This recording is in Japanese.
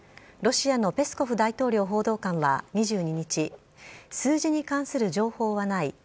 ロシアのペスコフ大統領報道官は２２日、数字に関する情報はない。